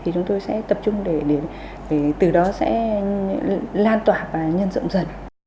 chúng tôi sẽ tập trung để từ đó sẽ lan tỏa và nhân rộng dần